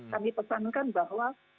kami pesankan bahwa